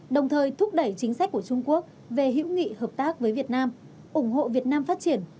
đồng thời thúc đẩy chính sách của trung quốc về hữu nghị hợp tác với việt nam ủng hộ việt nam phát triển